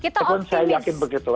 tapi saya yakin begitu